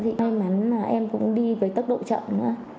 thì may mắn là em cũng đi với tốc độ chậm nữa